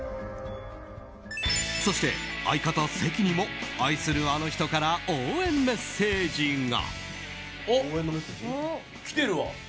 そして、相方・関にも愛するあの人から応援メッセージが。